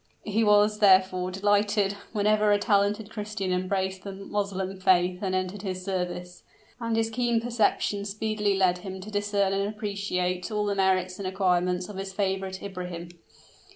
He was, therefore, delighted whenever a talented Christian embraced the Moslem faith and entered his service; and his keen perception speedily led him to discern and appreciate all the merits and acquirements of his favorite Ibrahim.